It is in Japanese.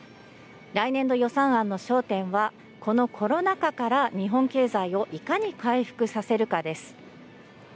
来年度予算案の焦点はこのコロナ禍から日本経済をいかに回復させるかです。